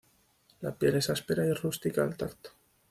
La piel es áspera y rústica al tacto.